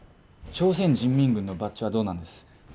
朝鮮人民軍のバッジはどうなんです？